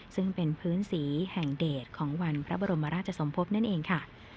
ซึ่งเป็นพื้นสีแห่งเดชของวันพระบรมราชสมภพนั่นเองค่ะ